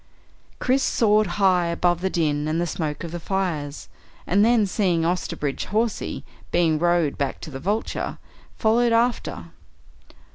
Chris soared high above the din and the smoke of the fires, and then seeing Osterbridge Hawsey being rowed back to the Vulture, followed after.